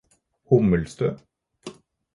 Hommelstø